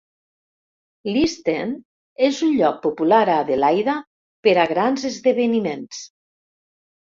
L'East End és un lloc popular a Adelaida per a grans esdeveniments.